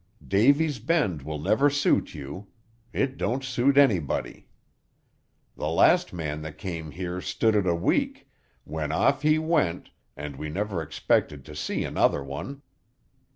Davy's Bend will never suit you. It don't suit anybody. The last man that came here stood it a week, when off he went, and we never expected to see another one.